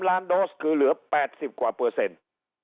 ล้านโดสคือเหลือ๘๐กว่าเปอร์เซ็นต์